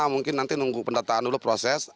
mungkin nanti nunggu pendataan dulu proses